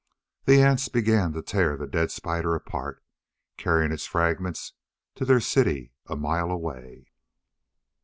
The ants began to tear the dead spider apart, carrying its fragments to their city a mile away.